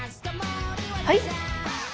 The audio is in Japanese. はい？